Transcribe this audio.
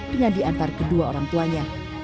dengan diantar kedua orang tuanya